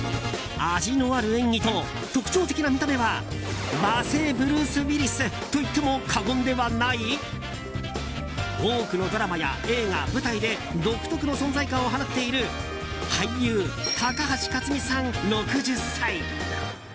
味のある演技と特徴的な見た目は和製ブルース・ウィリスと言っても過言ではない多くのドラマや映画、舞台で独特の存在感を放っている俳優・高橋克実さん、６０歳。